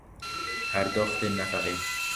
پرداخت نفقه